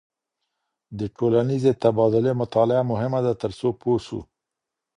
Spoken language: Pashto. د ټولنیزې تبادلې مطالعه مهمه ده ترڅو پوه سو.